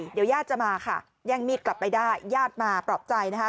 เดี๋ยวญาติจะมาค่ะแย่งมีดกลับไปได้ญาติมาปลอบใจนะคะ